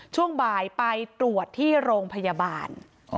ช่วงบ่ายไปตรวจที่โรงพยาบาล